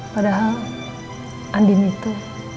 padahal andin itu